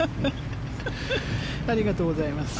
ありがとうございます。